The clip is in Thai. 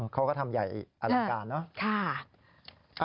เขาก็ทำใหญ่อลังการเนอะ